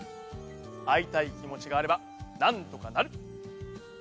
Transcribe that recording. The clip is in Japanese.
あいたいきもちがあればなんとかなる。